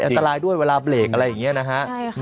อันตรายด้วยเวลาเบรกอะไรอย่างนี้นะฮะ